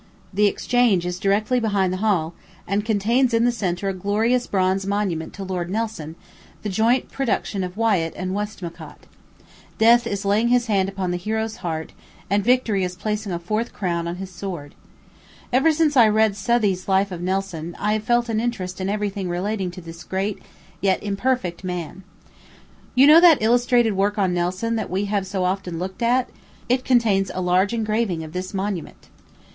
The Exchange is directly behind the hall, and contains in the centre a glorious bronze monument to Lord Nelson, the joint production of Wyat and Westmacott. Death is laying his hand upon the hero's heart, and Victory is placing a fourth crown on his sword. Ever since I read Southey's Life of Nelson, I have felt an interest in every thing relating to this great; yet imperfect man. You know that illustrated work on Nelson that we have so often looked at it contains a large engraving of this monument.